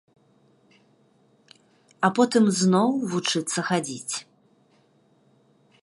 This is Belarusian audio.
А потым зноў вучыцца хадзіць.